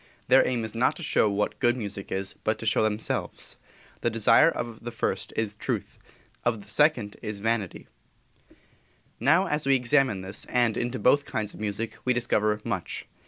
Their aim is not to show what good music is, but to show themselves. The desire of the first is truth, of the second is vanity. Now, as we examine into this, and into both kinds of music, we discover much.